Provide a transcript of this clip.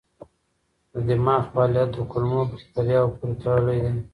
د دماغ فعالیت د کولمو بکتریاوو پورې تړلی دی.